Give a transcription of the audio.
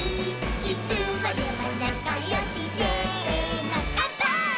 「いつまでもなかよしせーのかんぱーい！！」